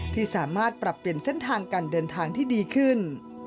ที่สามารถปรับเปลี่ยนเส้นทางการเดินทางที่ดีขึ้น